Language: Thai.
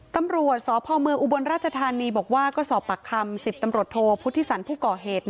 ตำรวจสพเมืองอุบลราชธานีบอกว่าก็สอบปากคำ๑๐ตำรวจโทพุทธิสันผู้ก่อเหตุ